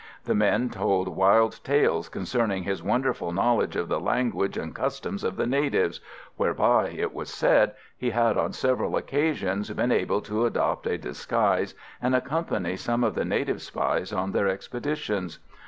The men told wild tales concerning his wonderful knowledge of the language and customs of the natives, whereby, it was said, he had on several occasions been able to adopt a disguise, and accompany some of the native spies on their expeditions.